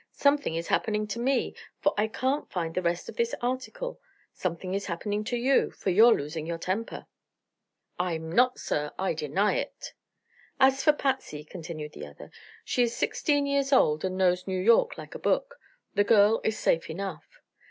"Something is happening to me, for I can't find the rest of this article. Something is happening to you, for you're losing your temper." "I'm not, sir! I deny it." "As for Patsy," continued the other, "she is sixteen years old and knows New York like a book. The girl is safe enough."